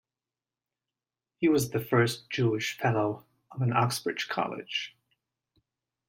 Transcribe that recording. He was the first Jewish fellow of an Oxbridge college.